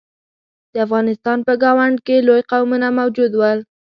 د افغانستان په ګاونډ کې لوی قومونه موجود ول.